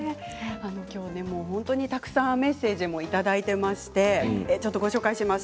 今日は本当にたくさんメッセージもいただいていましてご紹介します。